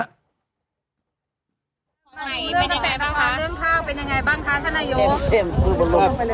เรื่องข้าวเป็นยังไงบ้างคะท่านนายก